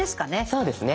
そうですよね？